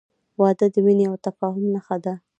• واده د مینې او تفاهم نښه ده.